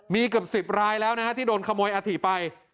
มีเกือบ๑๐รายแล้วนะฮะที่โดนขโมยอาถิไป